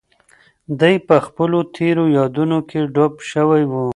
دی په خپلو تېرو یادونو کې ډوب شوی و.